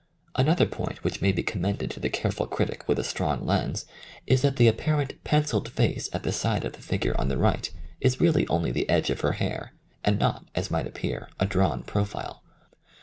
Another point which may be commended to the careful critic with a strong lens is that the apparent pencilled face at the side of the figure on the right is really only the edge of her hair, and not, as might appear, a drawn profile.